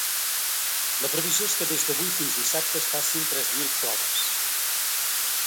La previsió és que des d’avui fins dissabte es facin tres mil proves.